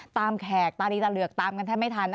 ตามคากตาลีนะเรือกตามกันแทบไม่ทันนะคะ